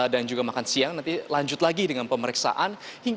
dan juga makan siang nanti lanjut lagi dengan pemeriksaan